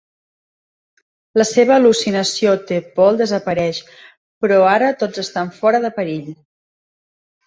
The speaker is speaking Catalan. La seva al·lucinació T'Pol desapareix, però ara tots estan fora de perill.